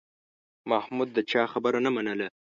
محمود د چا خبره نه منله.